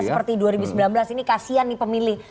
seperti dua ribu sembilan belas ini kasian nih pemilih